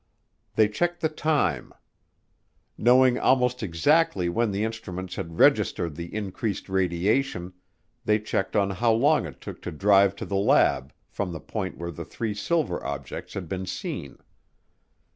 They checked the time. Knowing almost exactly when the instruments had registered the increased radiation, they checked on how long it took to drive to the lab from the point where the three silver objects had been seen.